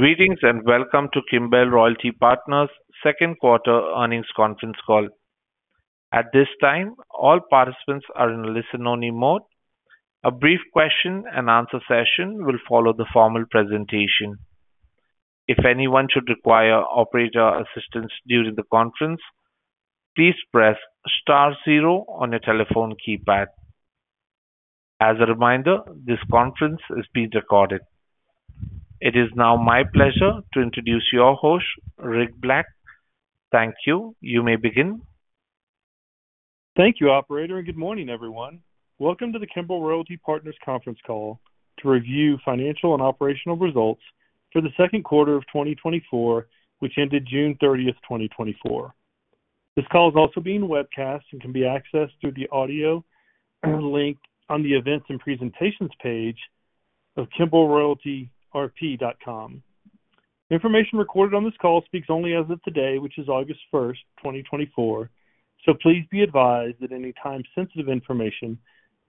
Greetings, and welcome to Kimbell Royalty Partners' Second Quarter Earnings Conference Call. At this time, all participants are in a listen-only mode. A brief question-and-answer session will follow the formal presentation. If anyone should require operator assistance during the conference, please press star zero on your telephone keypad. As a reminder, this conference is being recorded. It is now my pleasure to introduce your host, Rick Black. Thank you. You may begin. Thank you, operator, and good morning, everyone. Welcome to the Kimbell Royalty Partners Conference Call to review financial and operational results for the second quarter of 2024, which ended June 30th, 2024. This call is also being webcasted and can be accessed through the audio link on the Events and Presentations page of kimbellrp.com. Information recorded on this call speaks only as of today, which is August 1st, 2024. So please be advised that any time-sensitive information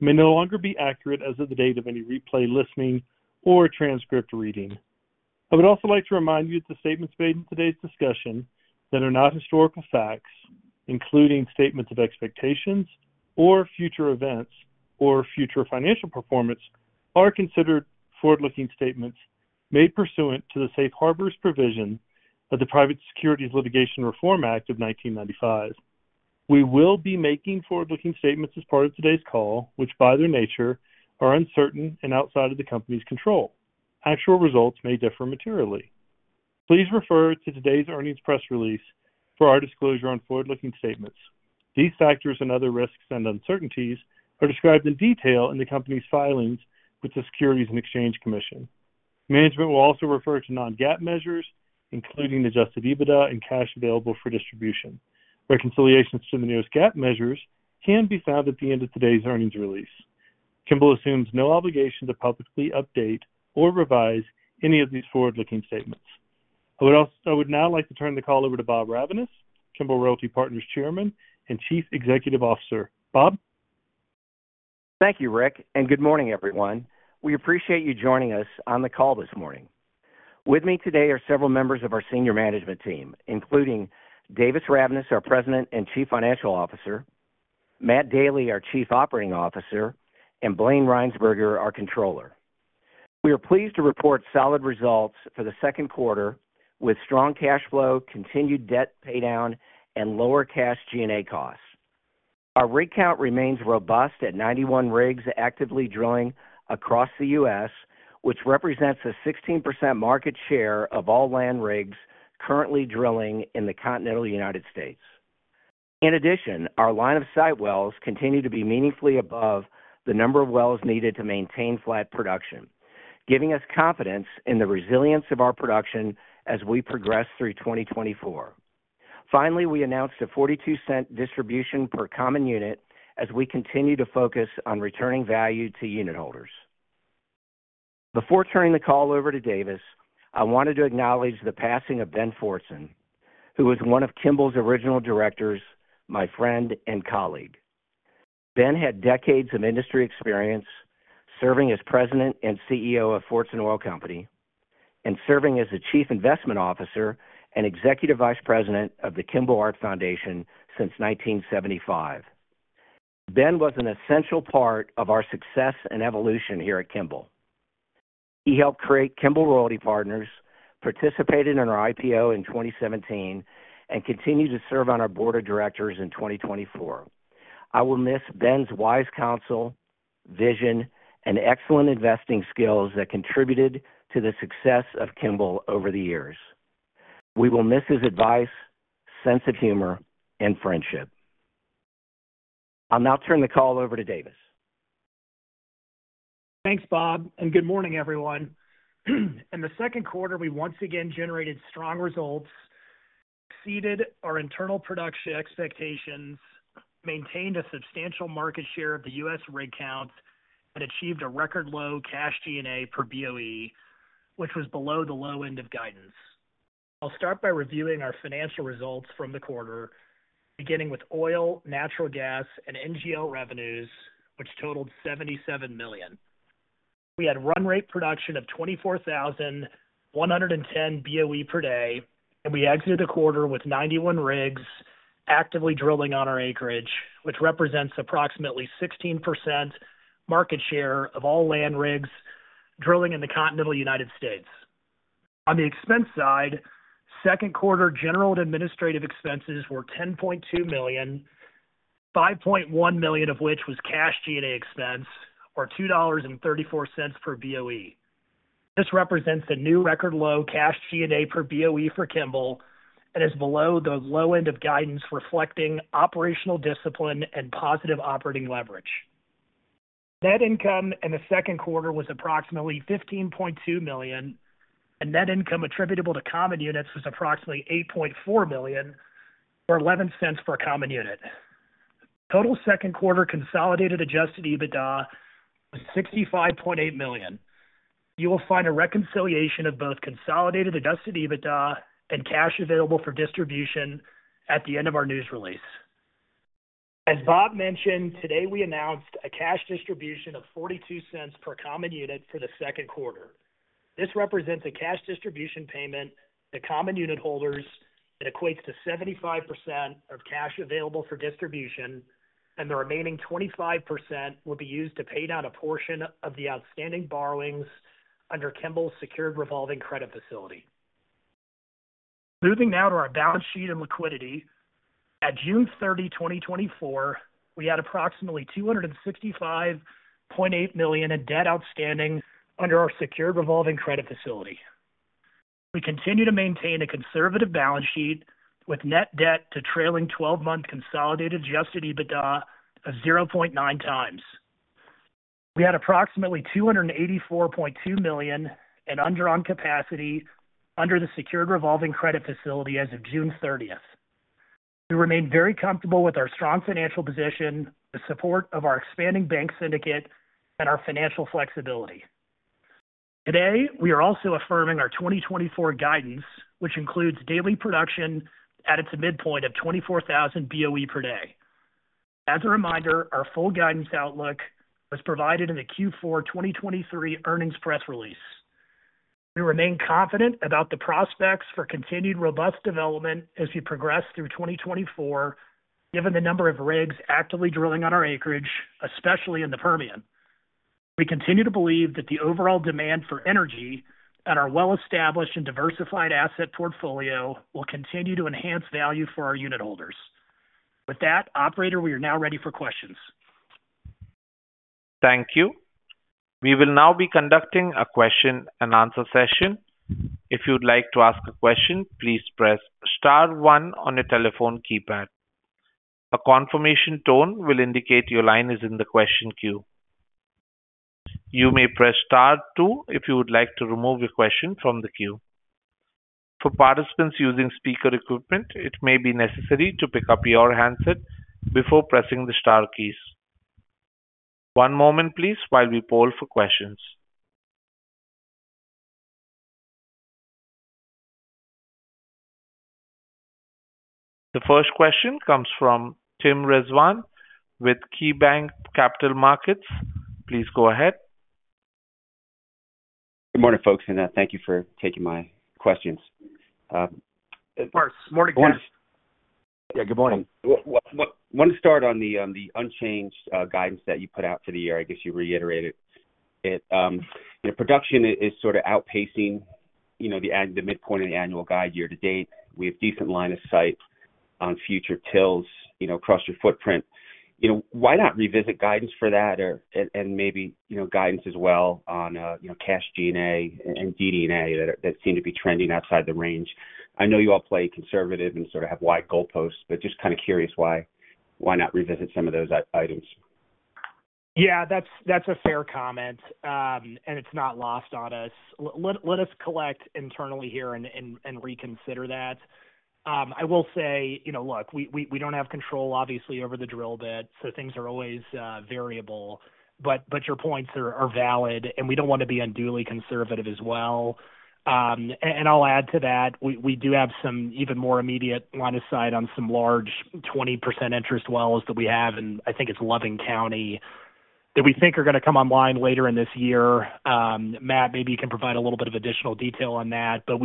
may no longer be accurate as of the date of any replay listening or transcript reading. I would also like to remind you that the statements made in today's discussion that are not historical facts, including statements of expectations or future events or future financial performance, are considered forward-looking statements made pursuant to the safe harbors provision of the Private Securities Litigation Reform Act of 1995. We will be making forward-looking statements as part of today's call, which, by their nature, are uncertain and outside of the company's control. Actual results may differ materially. Please refer to today's earnings press release for our disclosure on forward-looking statements. These factors and other risks and uncertainties are described in detail in the company's filings with the Securities and Exchange Commission. Management will also refer to non-GAAP measures, including Adjusted EBITDA and Cash Available for Distribution. Reconciliations to the nearest GAAP measures can be found at the end of today's earnings release. Kimbell assumes no obligation to publicly update or revise any of these forward-looking statements. I would now like to turn the call over to Bob Ravnaas, Kimbell Royalty Partners Chairman and Chief Executive Officer. Bob? Thank you, Rick, and good morning, everyone. We appreciate you joining us on the call this morning. With me today are several members of our senior management team, including Davis Ravnaas, our President and Chief Financial Officer, Matt Daly, our Chief Operating Officer, and Blayne Rhynsburger, our Controller. We are pleased to report solid results for the second quarter, with strong cash flow, continued debt paydown, and lower cash G&A costs. Our rig count remains robust at 91 rigs actively drilling across the U.S., which represents a 16% market share of all land rigs currently drilling in the continental United States. In addition, our line of sight wells continue to be meaningfully above the number of wells needed to maintain flat production, giving us confidence in the resilience of our production as we progress through 2024. Finally, we announced a $0.42 distribution per common unit as we continue to focus on returning value to unit holders. Before turning the call over to Davis, I wanted to acknowledge the passing of Ben Fortson, who was one of Kimbell's original directors, my friend and colleague. Ben had decades of industry experience serving as President and CEO of Fortson Oil Company and serving as the Chief Investment Officer and Executive Vice President of the Kimbell Art Foundation since 1975. Ben was an essential part of our success and evolution here at Kimbell. He helped create Kimbell Royalty Partners, participated in our IPO in 2017, and continued to serve on our board of directors in 2024. I will miss Ben's wise counsel, vision, and excellent investing skills that contributed to the success of Kimbell over the years. We will miss his advice, sense of humor, and friendship. I'll now turn the call over to Davis. Thanks, Bob, and good morning, everyone. In the second quarter, we once again generated strong results, exceeded our internal production expectations, maintained a substantial market share of the U.S. rig count, and achieved a record low cash G&A per BOE, which was below the low end of guidance. I'll start by reviewing our financial results from the quarter, beginning with oil, natural gas, and NGL revenues, which totaled $77 million. We had run rate production of 24,110 BOE per day, and we exited the quarter with 91 rigs actively drilling on our acreage, which represents approximately 16% market share of all land rigs drilling in the continental United States. On the expense side, second quarter general and administrative expenses were $10.2 million, $5.1 million of which was cash G&A expense, or $2.34 per BOE. This represents a new record low cash G&A per BOE for Kimbell and is below the low end of guidance, reflecting operational discipline and positive operating leverage. Net income in the second quarter was approximately $15.2 million, and net income attributable to common units was approximately $8.4 million, or $0.11 per common unit. Total second quarter consolidated Adjusted EBITDA was $65.8 million. You will find a reconciliation of both consolidated Adjusted EBITDA and cash available for distribution at the end of our news release. As Bob mentioned, today, we announced a cash distribution of $0.42 per common unit for the second quarter. This represents a cash distribution payment to common unit holders that equates to 75% of cash available for distribution, and the remaining 25% will be used to pay down a portion of the outstanding borrowings under Kimbell's secured revolving credit facility. Moving now to our balance sheet and liquidity. At June 30, 2024, we had approximately $265.8 million in debt outstanding under our secured revolving credit facility. We continue to maintain a conservative balance sheet with net debt to trailing twelve-month consolidated Adjusted EBITDA of 0.9 times. We had approximately $284.2 million in undrawn capacity under the secured revolving credit facility as of June 30. We remain very comfortable with our strong financial position, the support of our expanding bank syndicate, and our financial flexibility. Today, we are also affirming our 2024 guidance, which includes daily production at its midpoint of 24,000 BOE per day. As a reminder, our full guidance outlook was provided in the Q4 2023 earnings press release. We remain confident about the prospects for continued robust development as we progress through 2024, given the number of rigs actively drilling on our acreage, especially in the Permian. We continue to believe that the overall demand for energy and our well-established and diversified asset portfolio will continue to enhance value for our unit holders. With that, operator, we are now ready for questions. Thank you. We will now be conducting a question and answer session. If you'd like to ask a question, please press star one on your telephone keypad. A confirmation tone will indicate your line is in the question queue. You may press star two if you would like to remove your question from the queue. For participants using speaker equipment, it may be necessary to pick up your handset before pressing the star keys. One moment please, while we poll for questions. The first question comes from Tim Rezvan with KeyBanc Capital Markets. Please go ahead. Good morning, folks, and thank you for taking my questions. Of course. Morning, Tim. Yeah, good morning. Want to start on the unchanged guidance that you put out for the year. I guess you reiterated it. Your production is sort of outpacing, you know, the midpoint of the annual guide year to date. We have decent line of sight on future wells, you know, across your footprint. You know, why not revisit guidance for that or, and, and maybe, you know, guidance as well on, you know, cash G&A and DD&A that seem to be trending outside the range? I know you all play conservative and sort of have wide goalposts, but just kind of curious, why not revisit some of those items? Yeah, that's a fair comment, and it's not lost on us. Let us collect internally here and reconsider that. I will say, you know, look, we don't have control, obviously, over the drill bit, so things are always variable. But your points are valid, and we don't want to be unduly conservative as well. And I'll add to that, we do have some even more immediate line of sight on some large 20% interest wells that we have, and I think it's Loving County, that we think are gonna come online later in this year. Matt, maybe you can provide a little bit of additional detail on that, but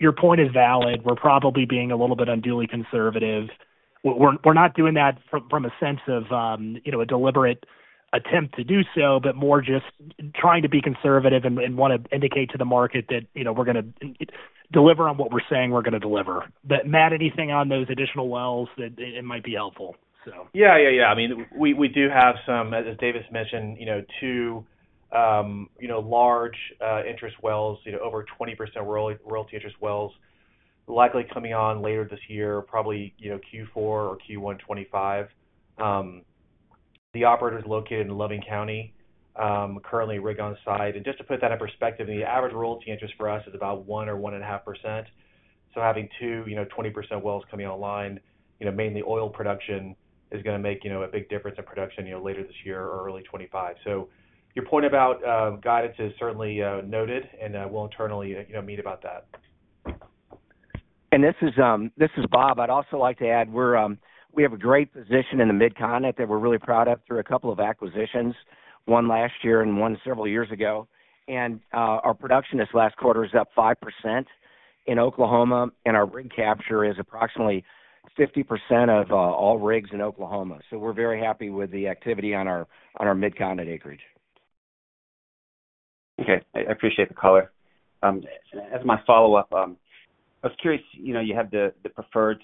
your point is valid. We're probably being a little bit unduly conservative. We're not doing that from a sense of, you know, a deliberate attempt to do so, but more just trying to be conservative and want to indicate to the market that, you know, we're gonna deliver on what we're saying we're gonna deliver. But, Matt, anything on those additional wells that it might be helpful? Yeah, yeah, yeah. I mean, we do have some, as Davis mentioned, you know, two, you know, large interest wells, you know, over 20% royalty interest wells, likely coming on later this year, probably, you know, Q4 or Q1 2025. The operator is located in Loving County, currently rig on site. And just to put that in perspective, the average royalty interest for us is about 1% or 1.5%. So having two, you know, 20% wells coming online, you know, mainly oil production is gonna make, you know, a big difference in production, you know, later this year or early 2025. So your point about guidance is certainly noted, and we'll internally, you know, meet about that. And this is Bob. I'd also like to add, we have a great position in the Mid-Continent that we're really proud of through a couple of acquisitions, one last year and one several years ago. Our production this last quarter is up 5% in Oklahoma, and our rig capture is approximately 50% of all rigs in Oklahoma. So we're very happy with the activity on our Mid-Continent acreage. Okay, I appreciate the color. As my follow-up, I was curious, you know, you have the preferred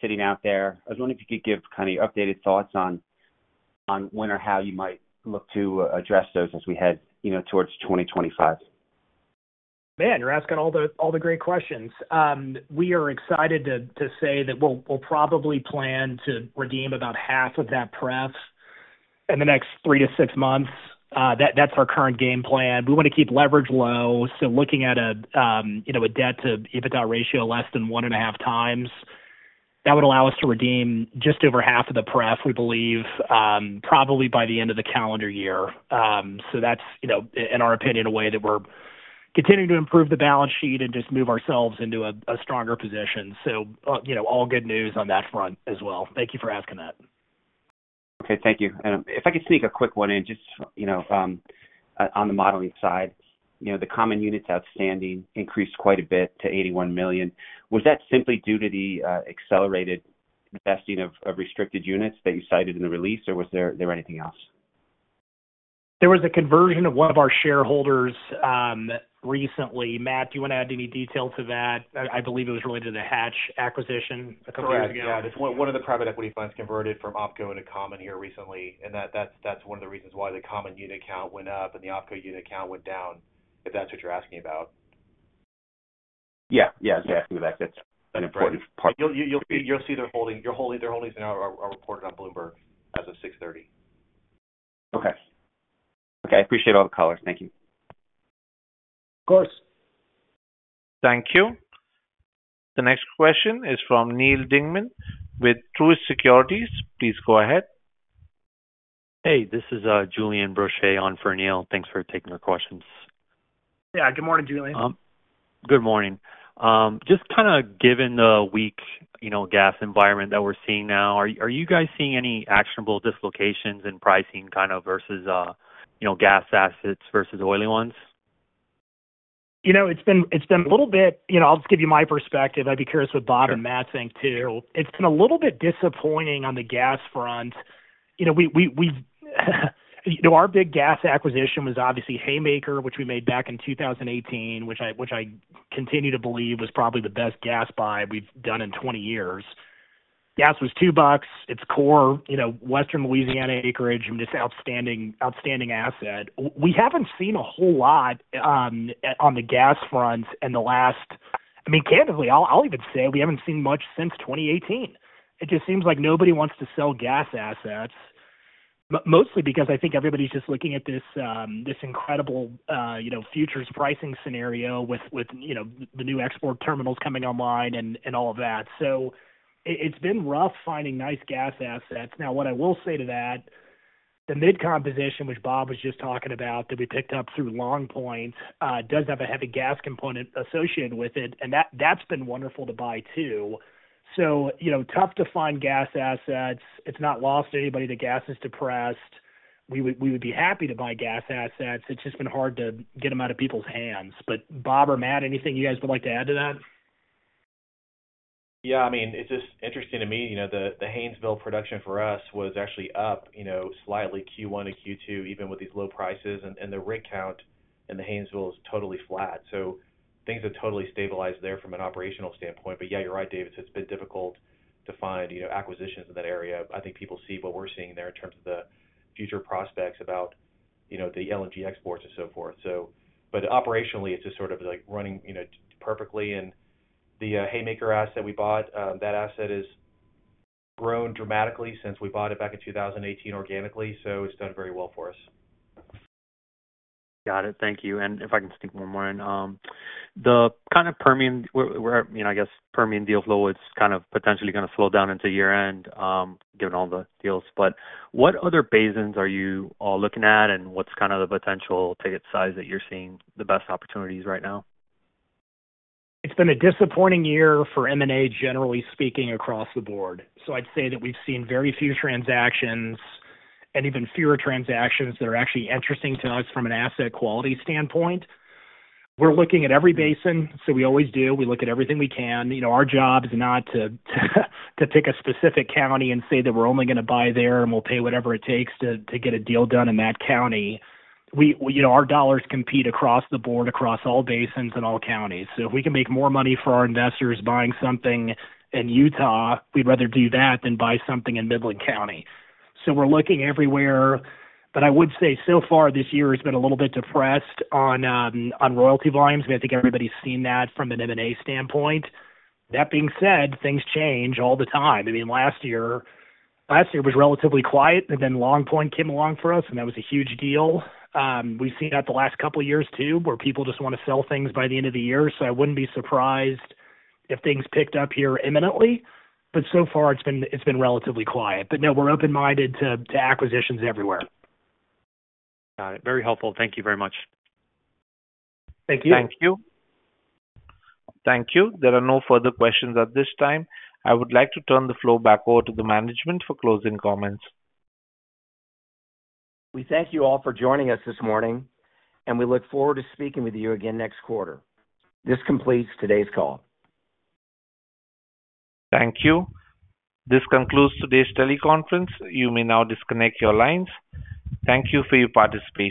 sitting out there. I was wondering if you could give kind of your updated thoughts on when or how you might look to address those as we head, you know, towards 2025. Man, you're asking all the, all the great questions. We are excited to say that we'll probably plan to redeem about half of that pref in the next three to six months. That, that's our current game plan. We want to keep leverage low, so looking at a, you know, a debt to EBITDA ratio, less than 1.5 times, that would allow us to redeem just over half of the pref, we believe, probably by the end of the calendar year. So that's, you know, in our opinion, a way that we're continuing to improve the balance sheet and just move ourselves into a stronger position. So, you know, all good news on that front as well. Thank you for asking that. Okay, thank you. If I could sneak a quick one in, just, you know, on the modeling side. You know, the common units outstanding increased quite a bit to 81 million. Was that simply due to the accelerated vesting of restricted units that you cited in the release, or was there anything else? There was a conversion of one of our shareholders recently. Matt, do you want to add any detail to that? I believe it was related to the Hatch acquisition a couple years ago. Correct. Yeah. One of the private equity funds converted from OpCo into common here recently, and that's one of the reasons why the common unit count went up and the OpCo unit count went down, if that's what you're asking about. Yeah. Yeah, I was asking that. That's an important part. You'll see their holdings are reported on Bloomberg as of 6:30 P.M. Okay. Okay, I appreciate all the color. Thank you. Of course. Thank you. The next question is from Neal Dingmann with Truist Securities. Please go ahead. Hey, this is, Julian Broche on for Neal. Thanks for taking our questions. Yeah. Good morning, Julian. Good morning. Just kinda given the weak, you know, gas environment that we're seeing now, are you guys seeing any actionable dislocations in pricing, kind of, versus, you know, gas assets versus oily ones? You know, it's been, it's been a little bit. You know, I'll just give you my perspective. I'd be curious what Bob and Matt think, too. It's been a little bit disappointing on the gas front. You know, we, we, we. You know, our big gas acquisition was obviously Haymaker, which we made back in 2018, which I, which I continue to believe was probably the best gas buy we've done in 20 years. Gas was $2. It's core, you know, Western Louisiana acreage and this outstanding, outstanding asset. We haven't seen a whole lot, at, on the gas front in the last. I mean, candidly, I'll, I'll even say we haven't seen much since 2018. It just seems like nobody wants to sell gas assets, mostly because I think everybody's just looking at this incredible, you know, futures pricing scenario with, with, you know, the new export terminals coming online and all of that. It's been rough finding nice gas assets. Now, what I will say to that, the Mid-Continent acquisition, which Bob was just talking about, that we picked up through Longpoint, does have a heavy gas component associated with it, and that's been wonderful to buy, too. So, you know, tough to find gas assets. It's not lost to anybody that gas is depressed. We would, we would be happy to buy gas assets. It's just been hard to get them out of people's hands. But Bob or Matt, anything you guys would like to add to that? Yeah, I mean, it's just interesting to me. You know, the Haynesville production for us was actually up, you know, slightly Q1 and Q2, even with these low prices, and the rig count in the Haynesville is totally flat. So things have totally stabilized there from an operational standpoint. But yeah, you're right, Davis, it's been difficult to find, you know, acquisitions in that area. I think people see what we're seeing there in terms of the future prospects about, you know, the LNG exports and so forth. So but operationally, it's just sort of, like, running, you know, perfectly. And the Haymaker asset we bought, that asset has grown dramatically since we bought it back in 2018 organically, so it's done very well for us. Got it. Thank you. And if I can sneak one more in. The kind of Permian where you know, I guess, Permian deal flow is kind of potentially gonna slow down into year-end, given all the deals. But what other basins are you all looking at, and what's kind of the potential ticket size that you're seeing the best opportunities right now? It's been a disappointing year for M&A, generally speaking, across the board. So I'd say that we've seen very few transactions and even fewer transactions that are actually interesting to us from an asset quality standpoint. We're looking at every basin, so we always do. We look at everything we can. You know, our job is not to pick a specific county and say that we're only gonna buy there, and we'll pay whatever it takes to get a deal done in that county. We. You know, our dollars compete across the board, across all basins and all counties. So if we can make more money for our investors buying something in Utah, we'd rather do that than buy something in Midland County. So we're looking everywhere, but I would say so far this year has been a little bit depressed on royalty volumes. I think everybody's seen that from an M&A standpoint. That being said, things change all the time. I mean, last year, last year was relatively quiet, and then LongPoint came along for us, and that was a huge deal. We've seen that the last couple of years, too, where people just want to sell things by the end of the year, so I wouldn't be surprised if things picked up here imminently. But so far it's been, it's been relatively quiet. But no, we're open-minded to, to acquisitions everywhere. Got it. Very helpful. Thank you very much. Thank you. Thank you. Thank you. There are no further questions at this time. I would like to turn the floor back over to the management for closing comments. We thank you all for joining us this morning, and we look forward to speaking with you again next quarter. This completes today's call. Thank you. This concludes today's teleconference. You may now disconnect your lines. Thank you for your participation.